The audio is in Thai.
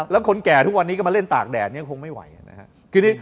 แล้วคนแก่ทุกวันนี้ก็มาเล่นตากแดดยังคงไม่ไหวนะครับ